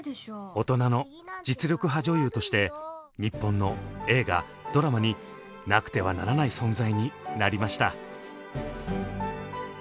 大人の実力派女優として日本の映画ドラマになくてはならない存在になりました。